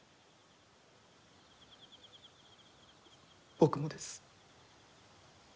僕もです。